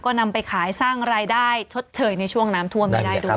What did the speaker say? ก็นำไปขายสร้างรายได้ชดเชยในช่วงน้ำท่วมนี้ได้ด้วย